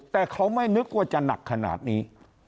แต่เขาไม่นึกว่าจะหนักขนาดนี้